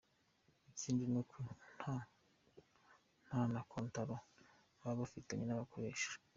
Ikindi ni uko nta na kontaro baba bafitanye n’ababakoresha.